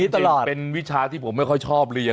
เออจริงเป็นวิชาที่ผมไม่ค่อยชอบเลยอ่ะ